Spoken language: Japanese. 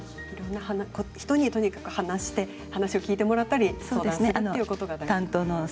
いろんな人にとにかく話して話を聞いてもらったり相談するということが大事ですね。